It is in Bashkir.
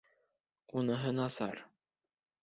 Уныһы насар.